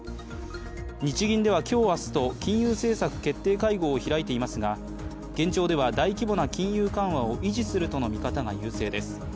日銀では今日、明日と金融政策決定会合を開いていますが、現状では大規模な金融緩和を維持するとの見方が優勢です。